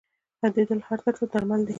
• خندېدل هر درد ته درمل دي.